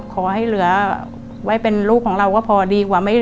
ขอให้เหลือไว้เป็นลูกของเราก็พอดีกว่า